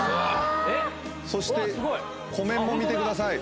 そして湖面も見てください。